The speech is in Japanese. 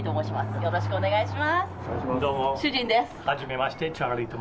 よろしくお願いします。